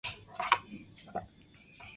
壶冠木为茜草科壶冠木属下的一个种。